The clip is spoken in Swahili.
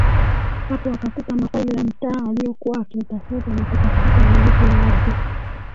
Hapo akakuta mafaili ya mtaa aliokuwa akiutafuta na kutafuta wamiliki wa ardhi